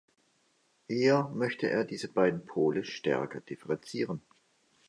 Eher möchte er diese beiden Pole stärker differenzieren.